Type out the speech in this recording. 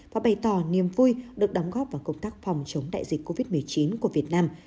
và bày tỏ niềm vui được đóng góp vào công tác phòng chống đại dịch covid một mươi chín của việt nam